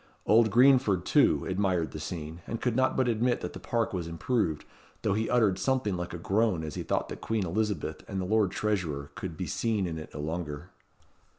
Old Greenford, too, admired the scene, and could not but admit that the park was improved, though he uttered something like a groan as he thought that Queen Elizabeth and the Lord Treasurer could be seen in it no longer.